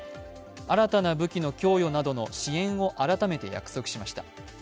新たな武器の供与などの支援を改めて約束しました。